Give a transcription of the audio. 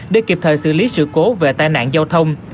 để kịp thời xử lý sự cố về tai nạn giao thông